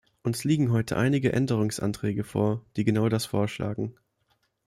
Uns liegen heute einige Änderungsanträge vor, die genau das vorschlagen.